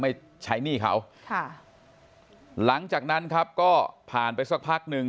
ไม่ใช้หนี้เขาค่ะหลังจากนั้นครับก็ผ่านไปสักพักหนึ่ง